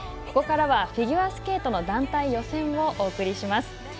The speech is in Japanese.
ここからはフィギュアスケートの団体予選をお送りします。